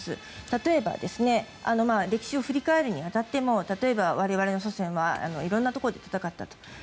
例えば、歴史を振り返るに当たっても我々の祖先はいろんなところで戦ったと。